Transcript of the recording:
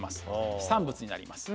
飛散物になります。